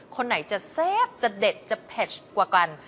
กันก็จะเซฟจะเด็ดจะเพจกว่ากัน